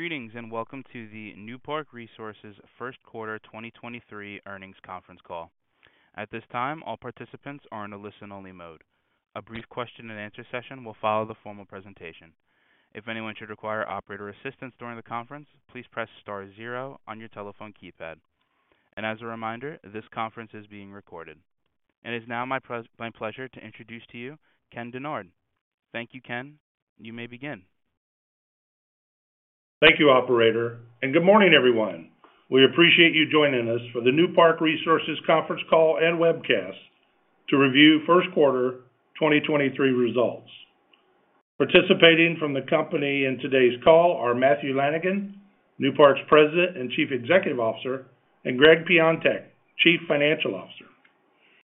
Greetings, welcome to the Newpark Resources Q1 2023 earnings conference call. At this time, all participants are in a listen-only mode. A brief question-and-answer session will follow the formal presentation. If anyone should require operator assistance during the conference, please press star zero on your telephone keypad. As a reminder, this conference is being recorded. It is now my pleasure to introduce to you Ken Dennard. Thank you, Ken. You may begin. Thank you, operator. Good morning, everyone. We appreciate you joining us for the Newpark Resources conference call and webcast to review Q1 2023 results. Participating from the company in today's call are Matthew Lanigan, Newpark's President and Chief Executive Officer, and Gregg Piontek, Chief Financial Officer.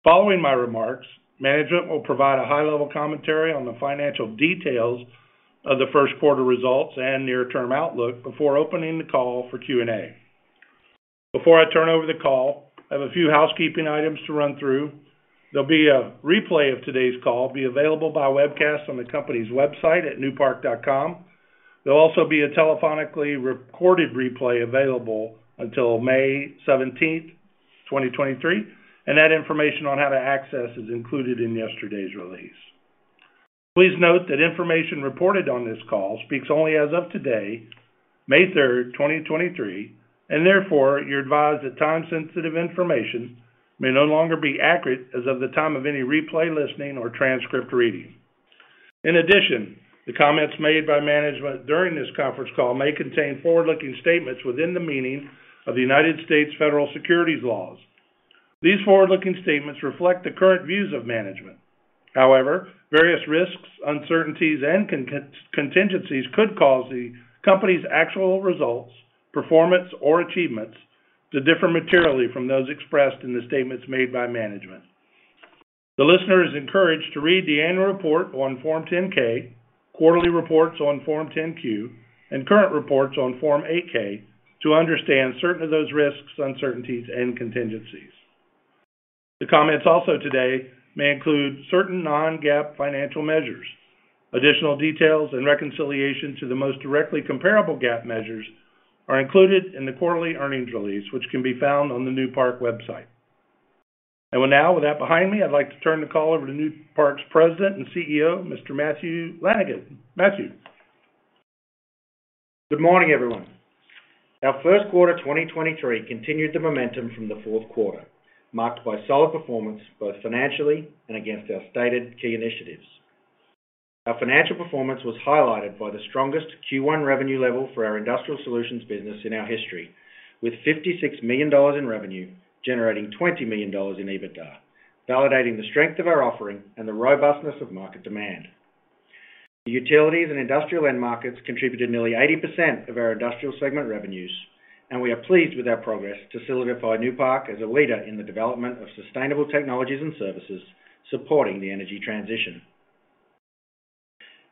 Following my remarks, management will provide a high-level commentary on the financial details of the Q1 results and near-term outlook before opening the call for Q&A. Before I turn over the call, I have a few housekeeping items to run through. There'll be a replay of today's call available by webcast on the company's website at newpark.com. There'll also be a telephonically recorded replay available until 17 May 2023. That information on how to access is included in yesterday's release. Please note that information reported on this call speaks only as of today, 3 May 2023. Therefore, you're advised that time-sensitive information may no longer be accurate as of the time of any replay listening or transcript reading. In addition, the comments made by management during this conference call may contain forward-looking statements within the meaning of the United States federal securities laws. These forward-looking statements reflect the current views of management. However, various risks, uncertainties, and contingencies could cause the company's actual results, performance, or achievements to differ materially from those expressed in the statements made by management. The listener is encouraged to read the annual report on Form 10-K, quarterly reports on Form 10-Q, and current reports on Form 8-K to understand certain of those risks, uncertainties, and contingencies. The comments also today may include certain non-GAAP financial measures. Additional details and reconciliation to the most directly comparable GAAP measures are included in the quarterly earnings release, which can be found on the Newpark website. Well now, with that behind me, I'd like to turn the call over to Newpark's President and CEO, Mr. Matthew Lanigan. Matthew. Good morning, everyone. Our Q1 2023 continued the momentum from the Q4, marked by solid performance both financially and against our stated key initiatives. Our financial performance was highlighted by the strongest Q1 revenue level for our Industrial Solutions business in our history, with $56 million in revenue generating $20 million in EBITDA, validating the strength of our offering and the robustness of market demand. The utilities and industrial end markets contributed nearly 80% of our industrial segment revenues, and we are pleased with our progress to solidify Newpark as a leader in the development of sustainable technologies and services supporting the energy transition.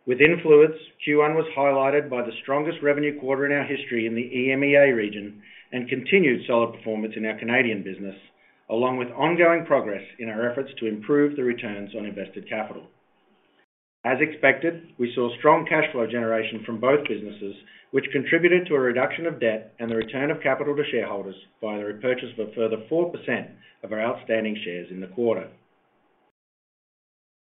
Within Fluids, Q1 was highlighted by the strongest revenue quarter in our history in the EMEA region and continued solid performance in our Canadian business, along with ongoing progress in our efforts to improve the returns on invested capital. As expected, we saw strong cash flow generation from both businesses, which contributed to a reduction of debt and the return of capital to shareholders via the repurchase of a further 4% of our outstanding shares in the quarter.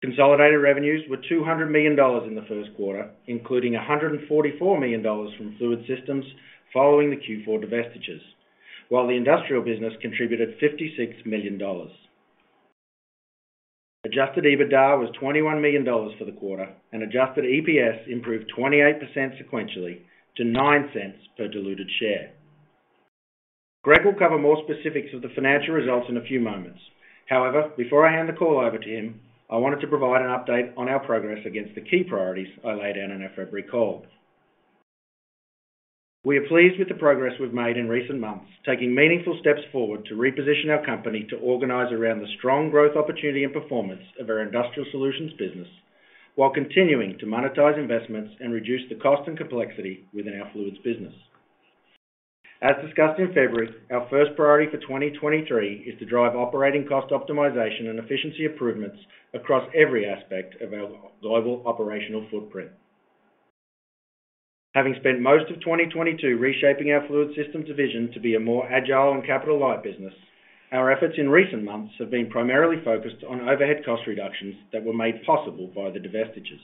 Consolidated revenues were $200 million in the Q1, including $144 million from Fluids Systems following the Q4 divestitures, while the industrial business contributed $56 million. Adjusted EBITDA was $21 million for the quarter, and adjusted EPS improved 28% sequentially to $0.09 per diluted share. Gregg will cover more specifics of the financial results in a few moments. However, before I hand the call over to him, I wanted to provide an update on our progress against the key priorities I laid out on our February call. We are pleased with the progress we've made in recent months, taking meaningful steps forward to reposition our company to organize around the strong growth opportunity and performance of our Industrial Solutions business while continuing to monetize investments and reduce the cost and complexity within our Fluids business. As discussed in February, our first priority for 2023 is to drive operating cost optimization and efficiency improvements across every aspect of our global operational footprint. Having spent most of 2022 reshaping our Fluids Systems division to be a more agile and capital-light business, our efforts in recent months have been primarily focused on overhead cost reductions that were made possible by the divestitures.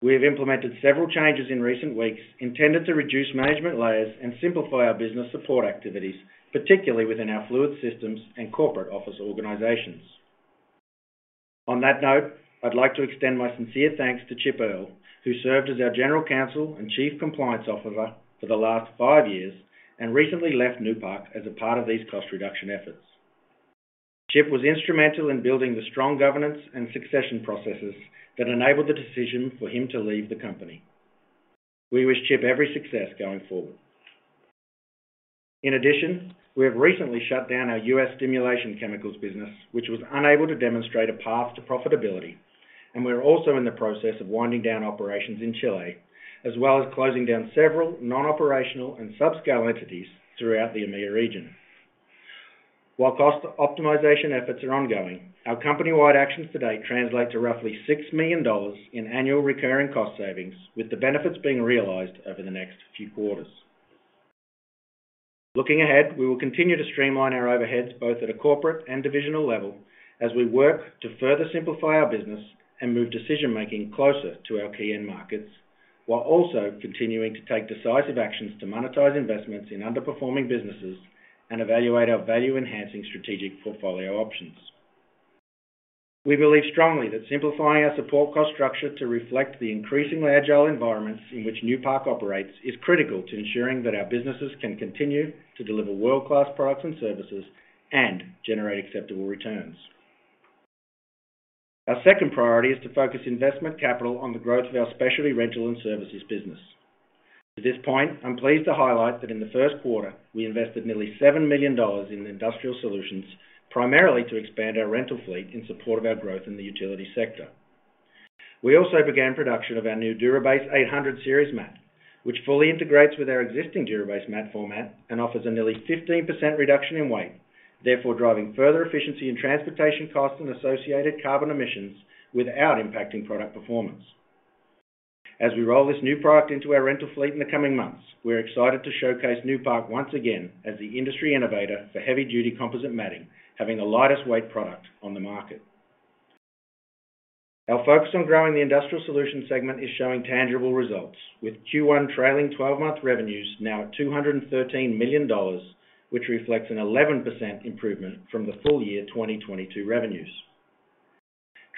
We have implemented several changes in recent weeks intended to reduce management layers and simplify our business support activities, particularly within our Fluids Systems and corporate office organizations. On that note, I'd like to extend my sincere thanks to Chip Earl, who served as our General Counsel and Chief Compliance Officer for the last five years and recently left Newpark as a part of these cost reduction efforts. Chip was instrumental in building the strong governance and succession processes that enabled the decision for him to leave the company. We wish Chip every success going forward. In addition, we have recently shut down our U.S. stimulation chemicals business, which was unable to demonstrate a path to profitability, and we're also in the process of winding down operations in Chile, as well as closing down several non-operational and subscale entities throughout the EMEA region. While cost optimization efforts are ongoing, our company-wide actions to date translate to roughly $6 million in annual recurring cost savings, with the benefits being realized over the next few quarters. Looking ahead, we will continue to streamline our overheads, both at a corporate and divisional level, as we work to further simplify our business and move decision-making closer to our key end markets, while also continuing to take decisive actions to monetize investments in underperforming businesses and evaluate our value-enhancing strategic portfolio options. We believe strongly that simplifying our support cost structure to reflect the increasingly agile environments in which Newpark operates is critical to ensuring that our businesses can continue to deliver world-class products and services and generate acceptable returns. Our second priority is to focus investment capital on the growth of our specialty rental and services business. To this point, I'm pleased to highlight that in the Q1, we invested nearly $7 million in Industrial Solutions, primarily to expand our rental fleet in support of our growth in the utility sector. We also began production of our new DURA-BASE® 800 Series™ mat, which fully integrates with our existing DURA-BASE® mat format and offers a nearly 15% reduction in weight, therefore driving further efficiency in transportation costs and associated carbon emissions without impacting product performance. As we roll this new product into our rental fleet in the coming months, we're excited to showcase Newpark once again as the industry innovator for heavy-duty composite matting, having the lightest weight product on the market. Our focus on growing the Industrial Solutions segment is showing tangible results, with Q1 trailing 12-month revenues now at $213 million, which reflects an 11% improvement from the full year 2022 revenues.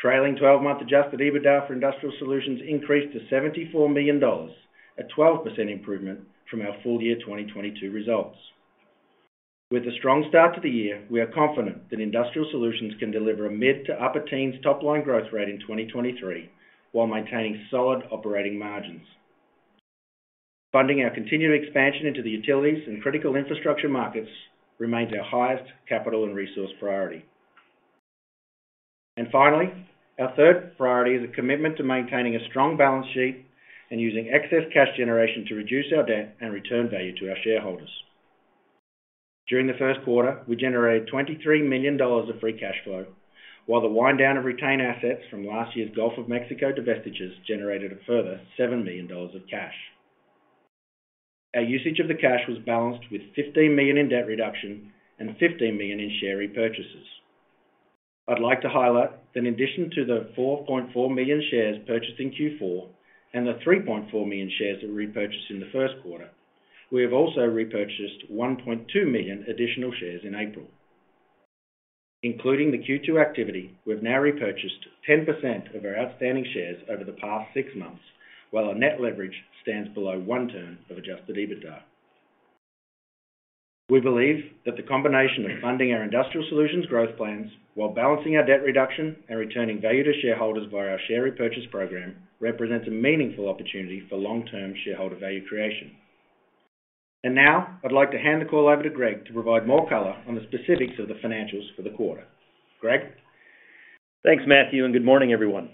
Trailing 12-month adjusted EBITDA for Industrial Solutions increased to $74 million, a 12% improvement from our full year 2022 results. With a strong start to the year, we are confident that Industrial Solutions can deliver a mid to upper teens top-line growth rate in 2023, while maintaining solid operating margins. Funding our continued expansion into the utilities and critical infrastructure markets remains our highest capital and resource priority. Our third priority is a commitment to maintaining a strong balance sheet and using excess cash generation to reduce our debt and return value to our shareholders. During the Q1, we generated $23 million of free cash flow, while the wind-down of retained assets from last year's Gulf of Mexico divestitures generated a further $7 million of cash. Our usage of the cash was balanced with $15 million in debt reduction and $15 million in share repurchases. I'd like to highlight that in addition to the $4.4 million shares purchased in Q4 and the $3.4 million shares repurchased in the Q1, we have also repurchased $1.2 million additional shares in April. Including the Q2 activity, we've now repurchased 10% of our outstanding shares over the past six months, while our net leverage stands below one turn of adjusted EBITDA. We believe that the combination of funding our Industrial Solutions growth plans while balancing our debt reduction and returning value to shareholders via our share repurchase program represents a meaningful opportunity for long-term shareholder value creation. I'd like to hand the call over to Gregg to provide more color on the specifics of the financials for the quarter. Gregg? Thanks, Matthew. Good morning, everyone.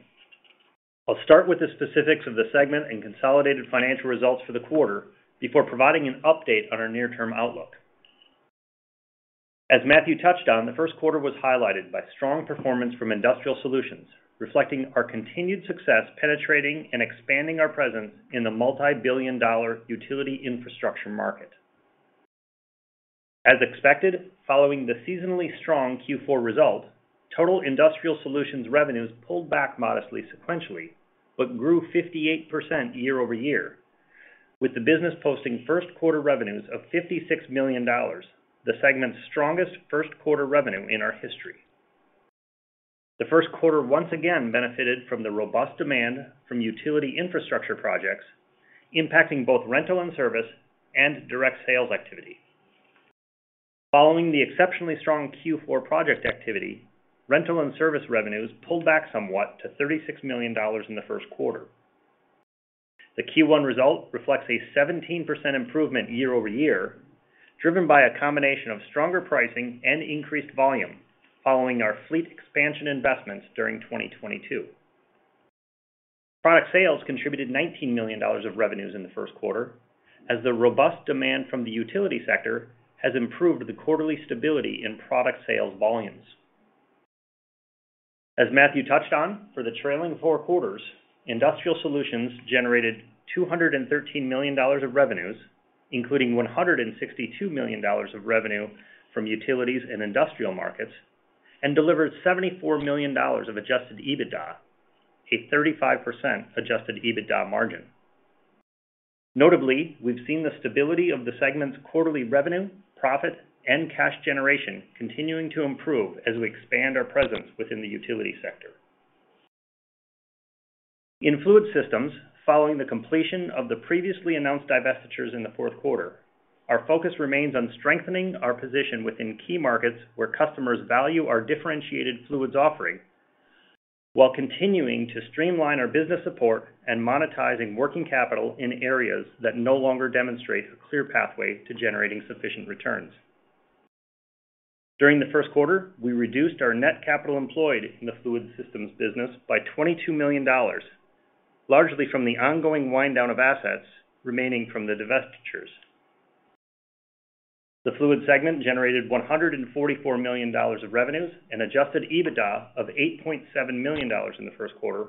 I'll start with the specifics of the segment and consolidated financial results for the quarter before providing an update on our near-term outlook. As Matthew touched on, the Q1 was highlighted by strong performance from Industrial Solutions, reflecting our continued success penetrating and expanding our presence in the multi-billion dollar utility infrastructure market. As expected, following the seasonally strong Q4 result, total Industrial Solutions revenues pulled back modestly sequentially, but grew 58% year-over-year, with the business posting Q1 revenues of $56 million, the segment's strongest Q1 revenue in our history. The Q1 once again benefited from the robust demand from utility infrastructure projects, impacting both rental and service and direct sales activity. Following the exceptionally strong Q4 project activity, rental and service revenues pulled back somewhat to $36 million in the Q1. The Q1 result reflects a 17% improvement year-over-year, driven by a combination of stronger pricing and increased volume following our fleet expansion investments during 2022. Product sales contributed $19 million of revenues in the Q1, as the robust demand from the utility sector has improved the quarterly stability in product sales volumes. As Matthew touched on, for the trailing four quarters, Industrial Solutions generated $213 million of revenues, including $162 million of revenue from utilities and industrial markets, and delivered $74 million of adjusted EBITDA, a 35% adjusted EBITDA margin. Notably, we've seen the stability of the segment's quarterly revenue, profit, and cash generation continuing to improve as we expand our presence within the utility sector. In Fluids Systems, following the completion of the previously announced divestitures in the Q4, our focus remains on strengthening our position within key markets where customers value our differentiated fluids offering while continuing to streamline our business support and monetizing working capital in areas that no longer demonstrate a clear pathway to generating sufficient returns. During the Q1, we reduced our net capital employed in the Fluids Systems business by $22 million. Largely from the ongoing wind down of assets remaining from the divestitures. The fluid segment generated $144 million of revenues and adjusted EBITDA of $8.7 million in the Q1,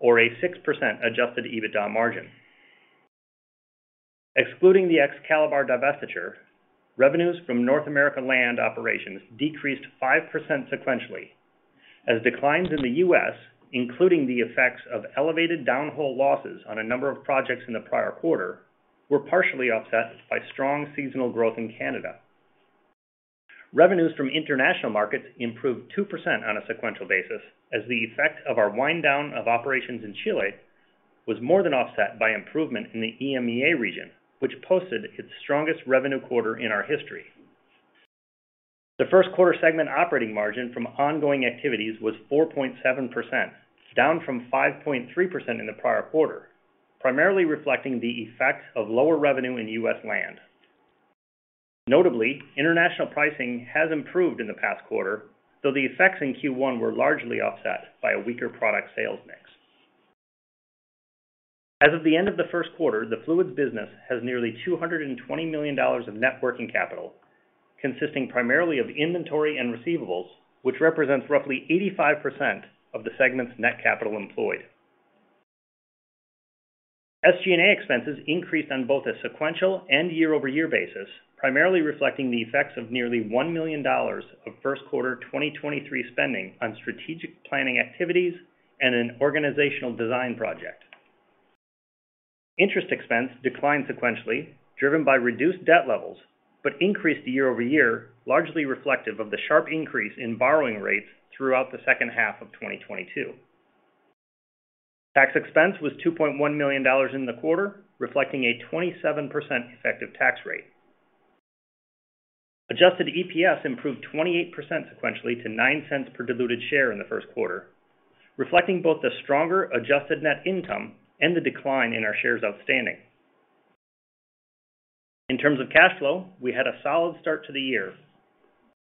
or a 6% adjusted EBITDA margin. Excluding the Excalibar divestiture, revenues from North American land operations decreased 5% sequentially, as declines in the U.S., including the effects of elevated downhole losses on a number of projects in the prior quarter were partially offset by strong seasonal growth in Canada. Revenues from international markets improved 2% on a sequential basis as the effect of our wind down of operations in Chile was more than offset by improvement in the EMEA region, which posted its strongest revenue quarter in our history. The Q1 segment operating margin from ongoing activities was 4.7%, down from 5.3% in the prior quarter, primarily reflecting the effects of lower revenue in U.S. land. Notably, international pricing has improved in the past quarter, though the effects in Q1 were largely offset by a weaker product sales mix. As of the end of the Q1, the Fluids business has nearly $220 million of net working capital, consisting primarily of inventory and receivables, which represents roughly 85% of the segment's net capital employed. SG&A expenses increased on both a sequential and year-over-year basis, primarily reflecting the effects of nearly $1 million of Q1 2023 spending on strategic planning activities and an organizational design project. Interest expense declined sequentially, driven by reduced debt levels, but increased year-over-year, largely reflective of the sharp increase in borrowing rates throughout the second half of 2022. Tax expense was $2.1 million in the quarter, reflecting a 27% effective tax rate. Adjusted EPS improved 28% sequentially to $0.09 per diluted share in the Q1, reflecting both the stronger adjusted net income and the decline in our shares outstanding. In terms of cash flow, we had a solid start to the year,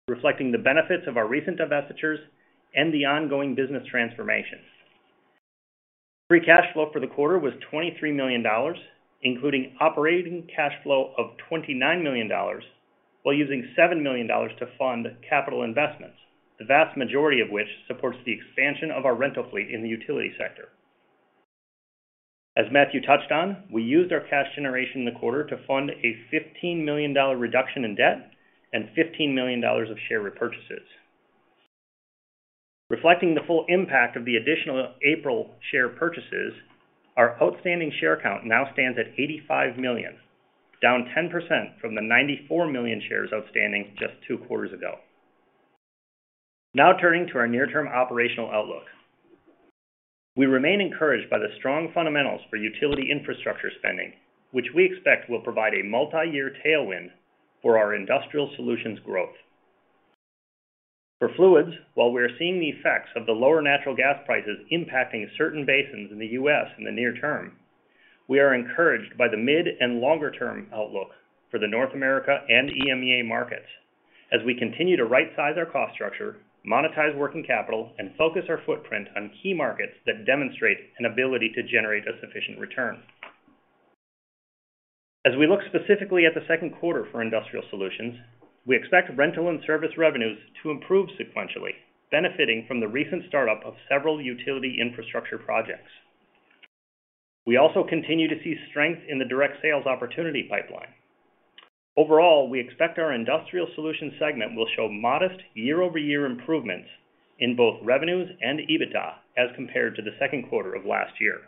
reflecting the benefits of our recent divestitures and the ongoing business transformation. Free cash flow for the quarter was $23 million, including operating cash flow of $29 million, while using $7 million to fund capital investments, the vast majority of which supports the expansion of our rental fleet in the utility sector. As Matthew touched on, we used our cash generation in the quarter to fund a $15 million reduction in debt and $15 million of share repurchases. Reflecting the full impact of the additional April share purchases, our outstanding share count now stands at $85 million, down 10% from the $94 million shares outstanding just two quarters ago. Now turning to our near-term operational outlook. We remain encouraged by the strong fundamentals for utility infrastructure spending, which we expect will provide a multi-year tailwind for our Industrial Solutions growth. For Fluids, while we are seeing the effects of the lower natural gas prices impacting certain basins in the U.S. in the near term, we are encouraged by the mid and longer term outlook for the North America and EMEA markets as we continue to rightsize our cost structure, monetize working capital, and focus our footprint on key markets that demonstrate an ability to generate a sufficient return. As we look specifically at the Q2 for Industrial Solutions, we expect rental and service revenues to improve sequentially, benefiting from the recent startup of several utility infrastructure projects. We also continue to see strength in the direct sales opportunity pipeline. Overall, we expect our Industrial Solutions segment will show modest year-over-year improvements in both revenues and EBITDA as compared to the Q2 of last year.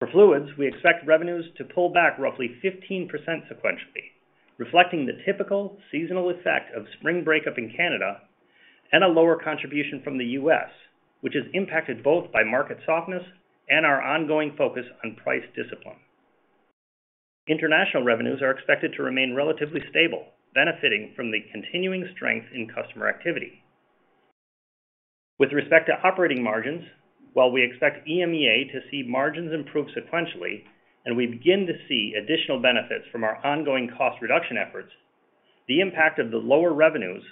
For Fluids, we expect revenues to pull back roughly 15% sequentially, reflecting the typical seasonal effect of spring breakup in Canada and a lower contribution from the U.S., which is impacted both by market softness and our ongoing focus on price discipline. International revenues are expected to remain relatively stable, benefiting from the continuing strength in customer activity. With respect to operating margins, while we expect EMEA to see margins improve sequentially and we begin to see additional benefits from our ongoing cost reduction efforts, the impact of the lower revenues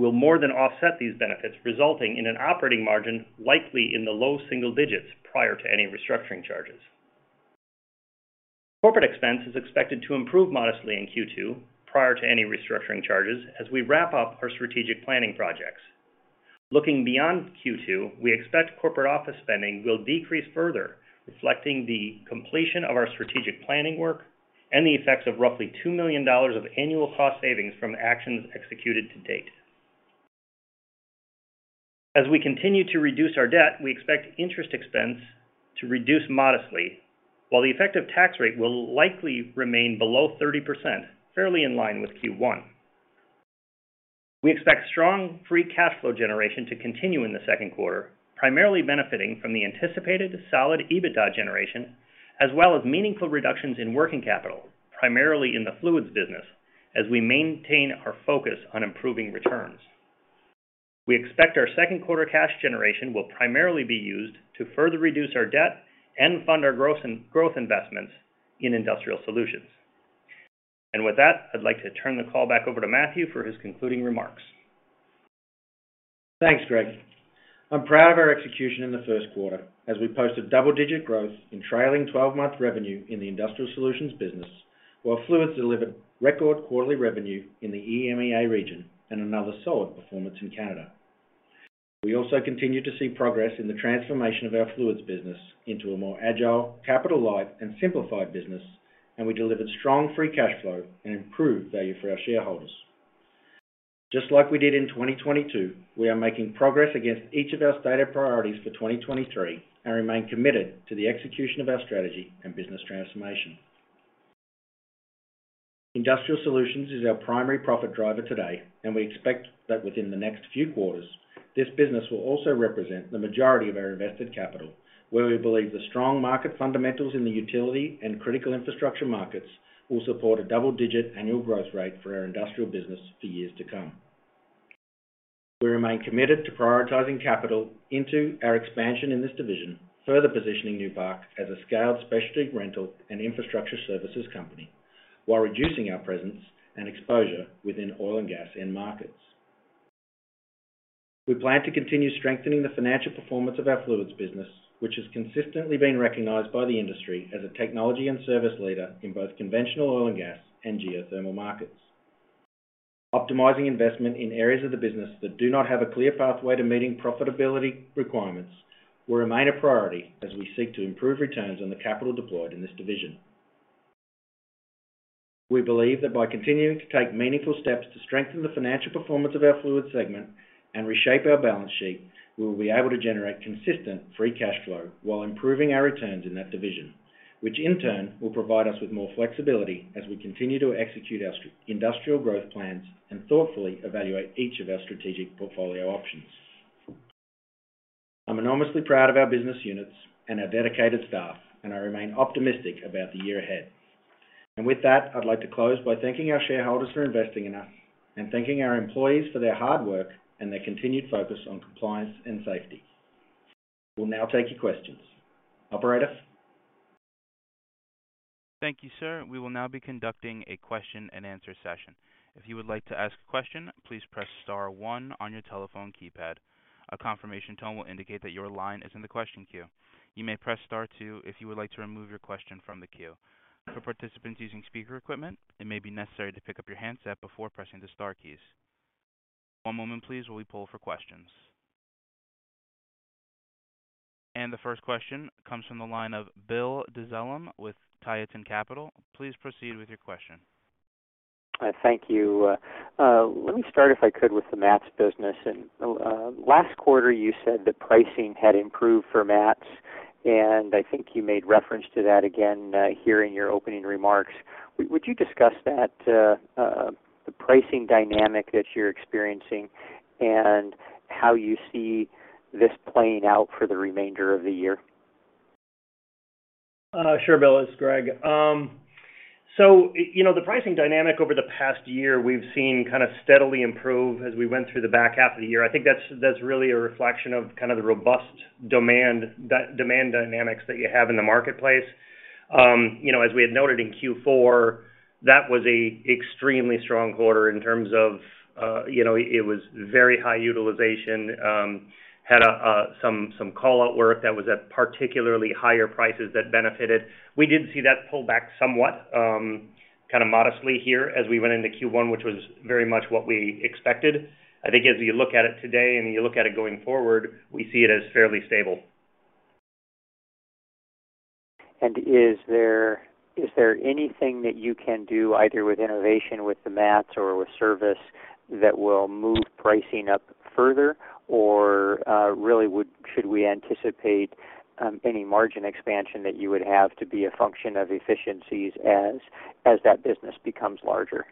will more than offset these benefits, resulting in an operating margin likely in the low single digits prior to any restructuring charges. Corporate expense is expected to improve modestly in Q2 prior to any restructuring charges as we wrap up our strategic planning projects. Looking beyond Q2, we expect corporate office spending will decrease further, reflecting the completion of our strategic planning work and the effects of roughly $2 million of annual cost savings from actions executed to date. As we continue to reduce our debt, we expect interest expense to reduce modestly, while the effective tax rate will likely remain below 30%, fairly in line with Q1. We expect strong free cash flow generation to continue in the Q2, primarily benefiting from the anticipated solid EBITDA generation as well as meaningful reductions in working capital, primarily in the Fluids business, as we maintain our focus on improving returns. We expect our Q2 cash generation will primarily be used to further reduce our debt and fund our growth investments in Industrial Solutions. With that, I'd like to turn the call back over to Matthew for his concluding remarks. Thanks, Gregg. I'm proud of our execution in the Q1 as we posted double-digit growth in trailing 12-month revenue in the Industrial Solutions business, while Fluids delivered record quarterly revenue in the EMEA region and another solid performance in Canada. We also continue to see progress in the transformation of our Fluids business into a more agile, capital-light, and simplified business, and we delivered strong free cash flow and improved value for our shareholders. Just like we did in 2022, we are making progress against each of our stated priorities for 2023 and remain committed to the execution of our strategy and business transformation. Industrial Solutions is our primary profit driver today. We expect that within the next few quarters, this business will also represent the majority of our invested capital, where we believe the strong market fundamentals in the utility and critical infrastructure markets will support a double-digit annual growth rate for our industrial business for years to come. We remain committed to prioritizing capital into our expansion in this division, further positioning Newpark as a scaled specialty rental and infrastructure services company while reducing our presence and exposure within oil and gas end markets. We plan to continue strengthening the financial performance of our Fluids business, which has consistently been recognized by the industry as a technology and service leader in both conventional oil and gas and geothermal markets. Optimizing investment in areas of the business that do not have a clear pathway to meeting profitability requirements will remain a priority as we seek to improve returns on the capital deployed in this division. We believe that by continuing to take meaningful steps to strengthen the financial performance of our Fluids segment and reshape our balance sheet, we will be able to generate consistent free cash flow while improving our returns in that division, which in turn will provide us with more flexibility as we continue to execute our industrial growth plans and thoughtfully evaluate each of our strategic portfolio options. I'm enormously proud of our business units and our dedicated staff, and I remain optimistic about the year ahead. With that, I'd like to close by thanking our shareholders for investing in us and thanking our employees for their hard work and their continued focus on compliance and safety. We'll now take your questions. Operator? Thank you, sir. We will now be conducting a question-and-answer session. If you would like to ask a question, please press star one on your telephone keypad. A confirmation tone will indicate that your line is in the question queue. You may press star two if you would like to remove your question from the queue. For participants using speaker equipment, it may be necessary to pick up your handset before pressing the star keys. One moment please while we poll for questions. The first question comes from the line of Bill Dezellem with Tieton Capital. Please proceed with your question. Thank you. Let me start, if I could, with the mats business. Last quarter, you said that pricing had improved for mats, and I think you made reference to that again, here in your opening remarks. Would you discuss that, the pricing dynamic that you're experiencing and how you see this playing out for the remainder of the year? Sure, Bill. It's Gregg. You know, the pricing dynamic over the past year, we've seen kind of steadily improve as we went through the back half of the year. I think that's really a reflection of kind of the robust demand dynamics that you have in the marketplace. You know, as we had noted in Q4, that was a extremely strong quarter in terms of, you know, it was very high utilization, had some call-out work that was at particularly higher prices that benefited. We did see that pull back somewhat, kinda modestly here as we went into Q1, which was very much what we expected. I think as you look at it today and you look at it going forward, we see it as fairly stable. Is there anything that you can do either with innovation with the mats or with service that will move pricing up further? Really, should we anticipate any margin expansion that you would have to be a function of efficiencies as that business becomes larger?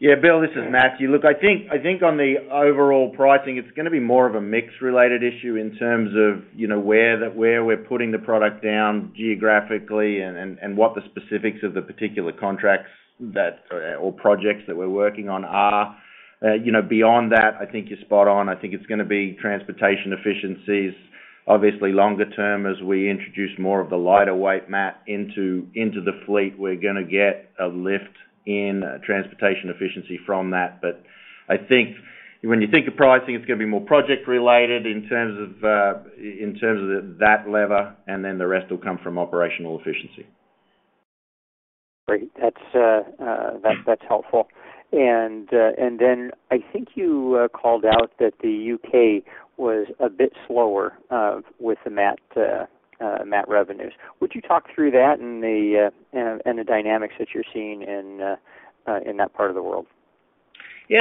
Yeah. Bill, this is Matthew. Look, I think on the overall pricing, it's gonna be more of a mix-related issue in terms of, you know, where we're putting the product down geographically and what the specifics of the particular contracts that or projects that we're working on are. You know, beyond that, I think you're spot on i think it's gonna be transportation efficiencies. Obviously, longer term, as we introduce more of the lighter weight mat into the fleet, we're gonna get a lift in transportation efficiency from that. I think when you think of pricing, it's gonna be more project related in terms of, in terms of that lever, and then the rest will come from operational efficiency. Great. That's helpful. Then I think you called out that the UK was a bit slower with the mat revenues. Would you talk through that and the dynamics that you're seeing in that part of the world? Yeah.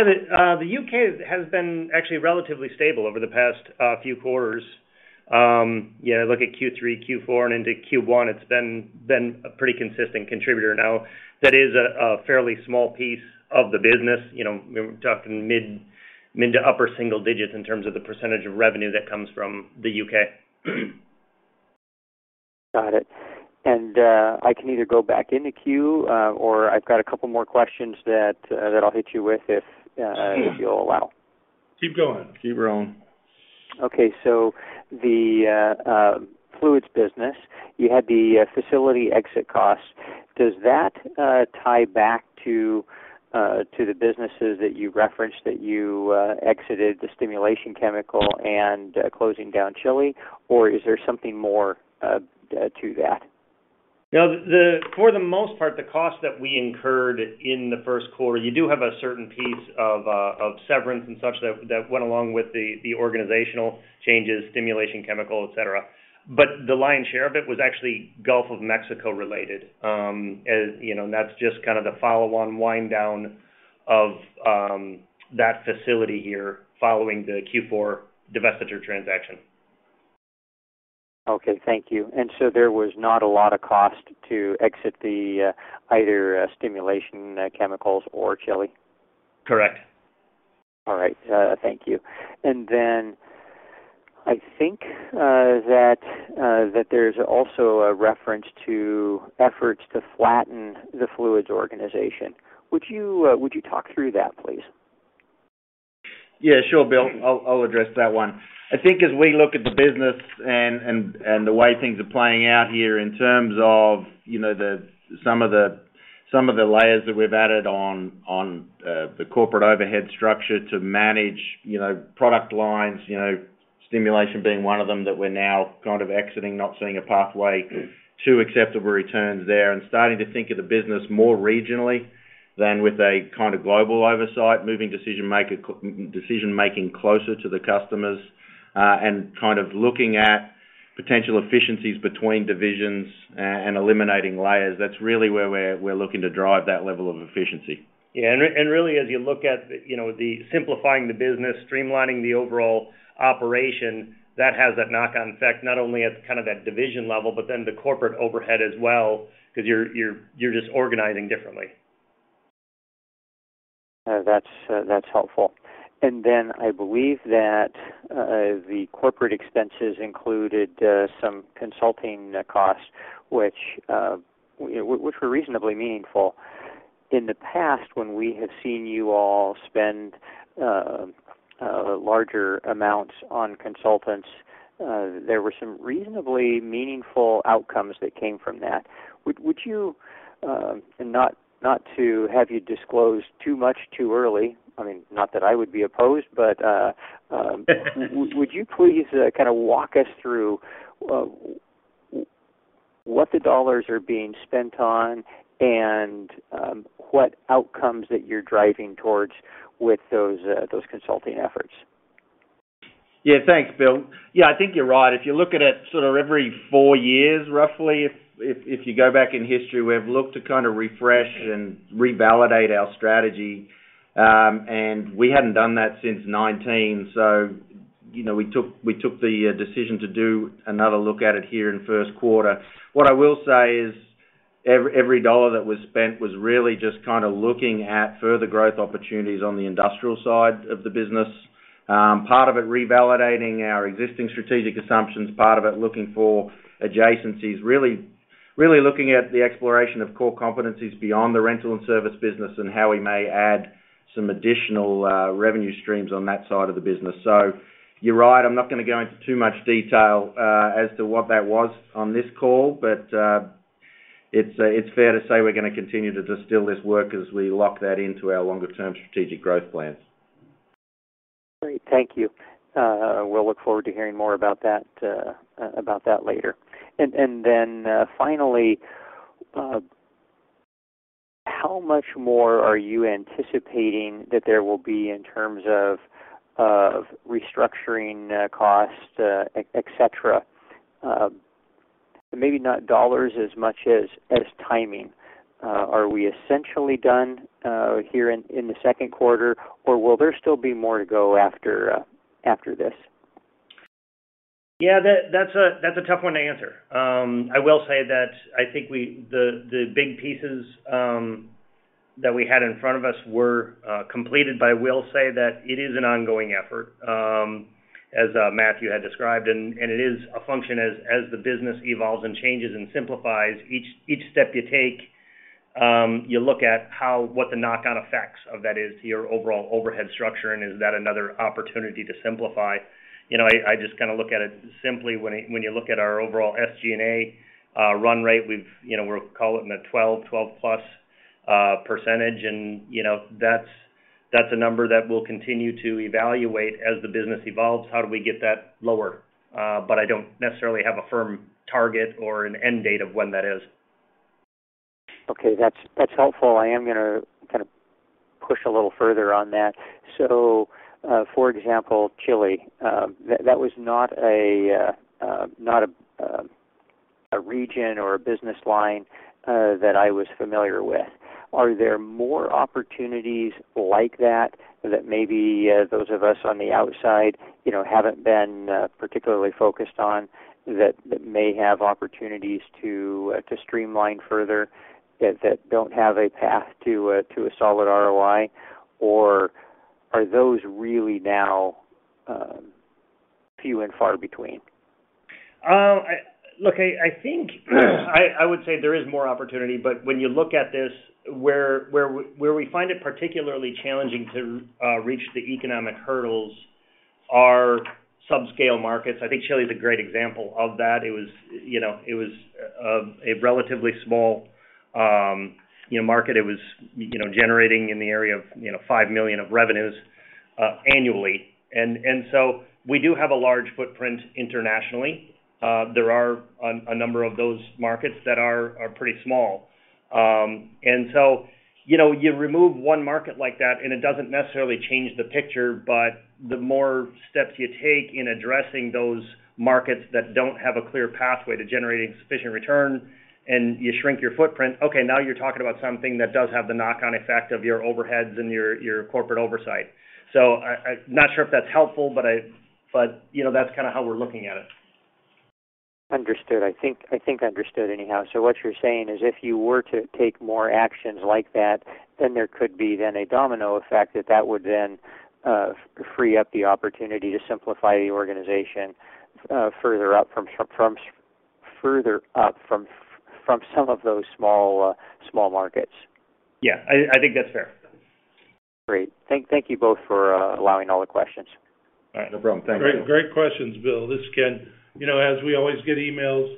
The U.K. has been actually relatively stable over the past few quarters. Yeah, look at Q3, Q4, and into Q1, it's been a pretty consistent contributor. That is a fairly small piece of the business. You know, we're talking mid to upper single digits in terms of the percent of revenue that comes from the U.K. Got it. I can either go back in the queue, or I've got a couple more questions that I'll hit you with if you'll allow. Keep going. Keep rolling. Okay. The Fluids business, you had the facility exit costs. Does that tie back to to the businesses that you referenced that you exited the stimulation chemical and closing down Chile? Or is there something more to that? No, the, for the most part, the cost that we incurred in the Q1, you do have a certain piece of severance and such that went along with the organizational changes, stimulation, chemical, et cetera. The lion's share of it was actually Gulf of Mexico related. As, you know, that's just kind of the follow-on wind down of that facility here following the Q4 divestiture transaction. Okay. Thank you. there was not a lot of cost to exit the either stimulation chemicals or Chile? Correct. All right. Thank you. I think that there's also a reference to efforts to flatten the fluids organization. Would you talk through that, please? Yeah, sure, Bill. I'll address that one. I think as we look at the business and the way things are playing out here in terms of, you know, some of the, some of the layers that we've added on the corporate overhead structure to manage, you know, product lines, you know, stimulation being one of them that we're now kind of exiting, not seeing a pathway to acceptable returns there. Starting to think of the business more regionally- -than with a kind of global oversight, moving decision-making closer to the customers, and kind of looking at potential efficiencies between divisions and eliminating layers that's really where we're looking to drive that level of efficiency. Yeah. Really, as you look at, you know, the simplifying the business, streamlining the overall operation, that has that knock-on effect, not only at kind of that division level, but then the corporate overhead as well, because you're just organizing differently. That's, that's helpful. I believe that the corporate expenses included some consulting costs, which, you know, which were reasonably meaningful. In the past, when we have seen you all spend larger amounts on consultants, there were some reasonably meaningful outcomes that came from that. Would you, and not to have you disclose too much too early, I mean, not that I would be opposed, but, would you please kind of walk us through what the dollars are being spent on and what outcomes that you're driving towards with those consulting efforts? Yeah. Thanks, Bill. Yeah, I think you're right. If you look at it sort of every four years, roughly, if you go back in history, we've looked to kind of refresh and revalidate our strategy. We hadn't done that since 2019. You know, we took the decision to do another look at it here in Q1. What I will say is every dollar that was spent was really just kind of looking at further growth opportunities on the Industrial side of the business. Part of it revalidating our existing strategic assumptions, part of it looking for adjacencies, really looking at the exploration of core competencies beyond the rental and service business and how we may add some additional revenue streams on that side of the business. You're right, I'm not gonna go into too much detail as to what that was on this call, but it's fair to say we're gonna continue to this still this work as we lock that into our longer term strategic growth plans. Great. Thank you. We'll look forward to hearing more about that later. Finally, how much more are you anticipating that there will be in terms of restructuring costs, et cetera? Maybe not dollars as much as timing. Are we essentially done here in the Q2, or will there still be more to go after this? That's a tough one to answer. I will say that I think the big pieces that we had in front of us were completed i will say that it is an ongoing effort as Matthew had described it is a function as the business evolves and changes and simplifies each step you take, you look at how, what the knock-on effects of that is to your overall overhead structure, is that another opportunity to simplify. You know, I just kinda look at it simply when you look at our overall SG&A run rate, you know, we'll call it in the 12 plus %. You know, that's a number that we'll continue to evaluate as the business evolves. How do we get that lower? I don't necessarily have a firm target or an end date of when that is. Okay. That's helpful. I am gonna kinda push a little further on that. For example, Chile, that was not a, not a region or a business line that I was familiar with. Are there more opportunities like that maybe those of us on the outside, you know, haven't been particularly focused on that may have opportunities to streamline further that don't have a path to a solid ROI? Are those really now few and far between? Look, I think I would say there is more opportunity, but when you look at this, where we find it particularly challenging to reach the economic hurdles are subscale markets i think Chile is a great example of that. It was, you know, it was a relatively small market it was generating in the area of $5 million of revenues annually. We do have a large footprint internationally. There are a number of those markets that are pretty small. You know, you remove one market like that, and it doesn't necessarily change the picture, but the more steps you take in addressing those markets that don't have a clear pathway to generating sufficient return and you shrink your footprint, okay, now you're talking about something that does have the knock-on effect of your overheads and your corporate oversight. I'm not sure if that's helpful, but, you know, that's kinda how we're looking at it. Understood. I think understood anyhow what you're saying is if you were to take more actions like that, then there could be then a domino effect that would then free up the opportunity to simplify the organization further up from further up from some of those small markets. Yeah. I think that's fair. Great. Thank you both for allowing all the questions. All right. No problem. Thank you. Great, great questions, Bill Dezellem. This is Ken Dennard. You know, as we always get emails,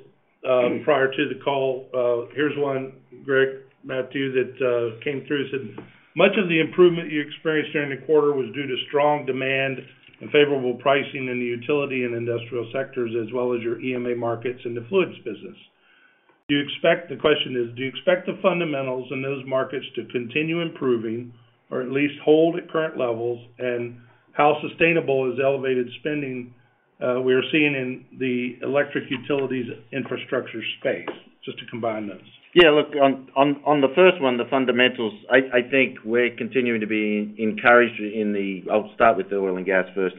prior to the call, here's one, Gregg Piontek, Matthew Lanigan, that came through. It said, "Much of the improvement you experienced during the quarter was due to strong demand and favorable pricing in the utility and industrial sectors, as well as your EMEA markets and the fluids business. Do you expect..." The question is, "Do you expect the fundamentals in those markets to continue improving or at least hold at current levels and how sustainable is elevated spending, we're seeing in the electric utilities infrastructure space?" Just to combine those. Look, on the first one, the fundamentals, I think we're continuing to be encouraged in the... I'll start with the oil and gas first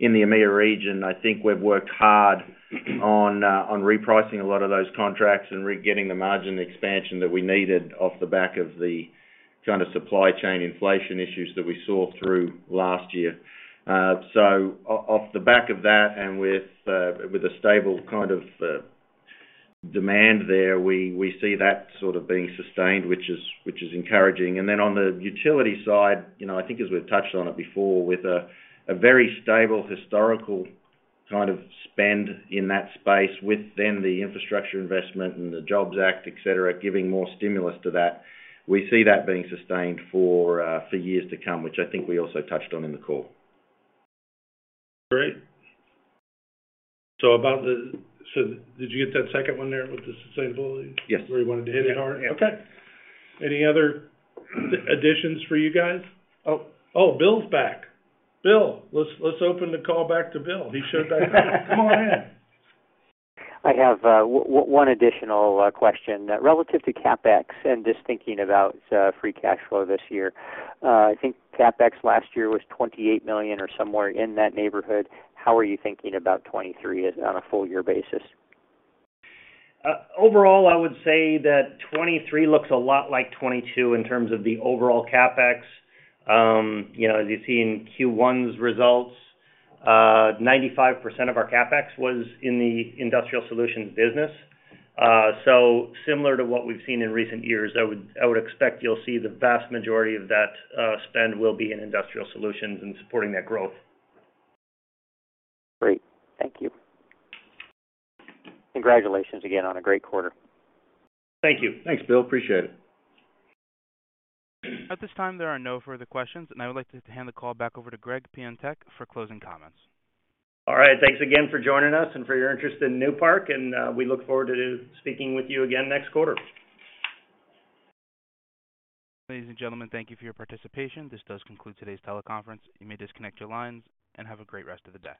in the EMEA region, I think we've worked hard on repricing a lot of those contracts and getting the margin expansion that we needed off the back of the kind of supply chain inflation issues that we saw through last year. Off the back of that and with a stable kind of demand there, we see that sort of being sustained, which is encouraging on the utility side, you know, I think as we've touched on it before, with a very stable historical kind of spend in that space within the Infrastructure Investment and Jobs Act, et cetera, giving more stimulus to that, we see that being sustained for years to come, which I think we also touched on in the call. Great. Did you get that second one there with the sustainability? Yes. Where you wanted to hit it hard? Yeah. Okay. Any other additions for you guys? Oh, oh, Bill's back. Bill, let's open the call back to Bill. He showed back up. Come on in. I have one additional question. Relative to CapEx and just thinking about free cash flow this year. I think CapEx last year was $28 million or somewhere in that neighborhood. How are you thinking about 2023 as on a full year basis? Overall, I would say that 2023 looks a lot like 2022 in terms of the overall CapEx. You know, as you see in Q1's results, 95% of our CapEx was in the Industrial Solutions business. Similar to what we've seen in recent years, I would expect you'll see the vast majority of that spend will be in Industrial Solutions and supporting that growth. Great. Thank you. Congratulations again on a great quarter. Thank you. Thanks, Bill. Appreciate it. At this time, there are no further questions, and I would like to hand the call back over to Gregg Piontek for closing comments. All right. Thanks again for joining us and for your interest in Newpark. We look forward to speaking with you again next quarter. Ladies and gentlemen, thank you for your participation. This does conclude today's teleconference. You may disconnect your lines, and have a great rest of the day.